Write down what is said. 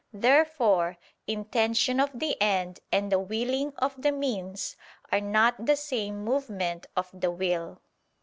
Therefore intention of the end and the willing of the means are not the same movement of the will.